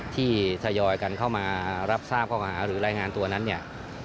ทยอยกันเข้ามารับทราบข้อหาหรือรายงานตัวนั้นเนี่ย